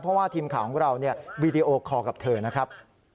เพราะว่าทีมข่าวของเราวีดีโอคอร์กับเธอนะครับ